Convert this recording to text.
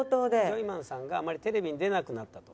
「ジョイマンさんがあまりテレビに出なくなったと」。